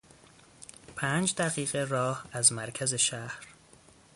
پنج دقیقه راه از مرکز شهر